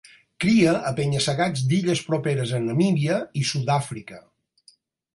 Cria a penya-segats d'illes properes a Namíbia i Sud-àfrica.